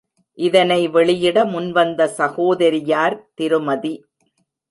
இதனை வெளியிட முன்வந்த சகோதரியார் திருமதி.